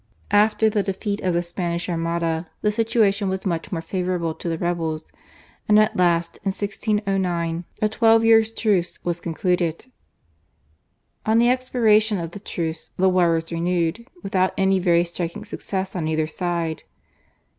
After the defeat of the Spanish Armada the situation was much more favourable to the rebels, and at last in 1609 a twelve years' truce was concluded. On the expiration of the truce the war was renewed without any very striking success on either side.